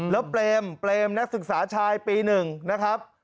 แล้วเปรมเปรมนักศึกษาชายปี๑นะครับ